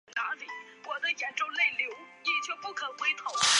出生在肯塔基州。